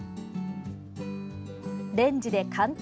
レンジで簡単！